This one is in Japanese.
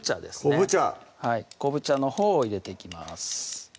昆布茶昆布茶のほうを入れていきます